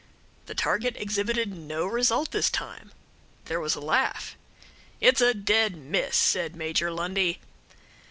The target exhibited no result this time. There was a laugh. "It's a dead miss," said Major Lundie.